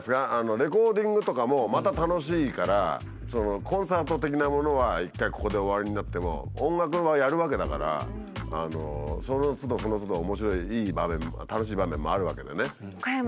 レコーディングとかもまた楽しいからコンサート的なものは一回ここで終わりになっても音楽はやるわけだからそのつどそのつど面白いいい場面楽しい場面もあるわけでね。